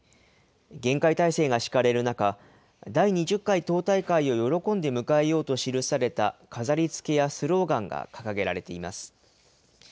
厳戒態勢が敷かれる中、第２０回党大会を喜んで迎えようと記された飾りつけやスローガンが掲げられています。